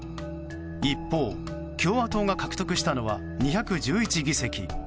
一方、共和党が獲得したのは２１１議席。